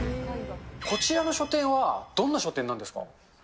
こちらの書店はどんな書店なんですか？